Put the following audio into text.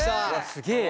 すげえ！